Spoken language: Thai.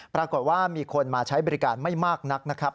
ปรากฏว่ามีคนมาใช้บริการไม่มากนักนะครับ